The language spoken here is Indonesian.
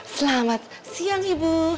selamat siang ibu